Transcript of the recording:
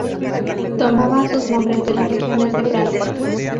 Tomaban sus nombres de las regiones de Francia.